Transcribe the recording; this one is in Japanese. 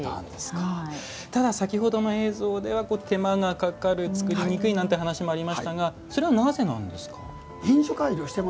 先ほどの映像では手間がかかる作りにくいなんて話もありましたがそれはなぜなんですか？